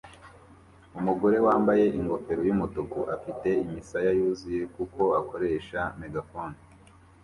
Umugore wambaye ingofero yumutuku afite imisaya yuzuye kuko akoresha megafone